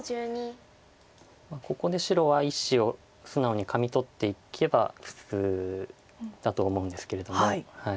ここで白は１子を素直にカミ取っていけば普通だと思うんですけれども。